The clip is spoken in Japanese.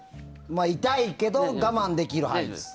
痛いけど我慢できる範囲です。